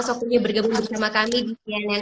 waktunya bergabung bersama kami di cnn